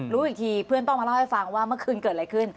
รู้อีกทีเพื่อนต้องมาเล่าให้ฟังว่าเมื่อคืนเกิดอะไรขึ้น